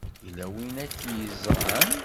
Yella win ay k-yeẓran.